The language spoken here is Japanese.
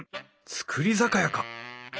造り酒屋か！